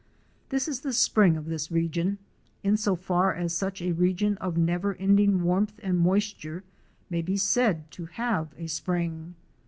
This is the spring of this region in so far as such a region of never ending warmth and moisture may be said to have a spring.